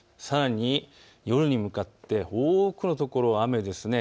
さらに夜に向かって多くのところ、雨です。